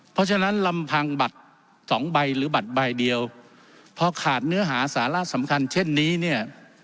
เพราะฉะนั้นลำพังบัตรสองใบหรือบัตรใบเดียวพอขาดเนื้อหาสาระสำคัญเช่นนี้เนี่ย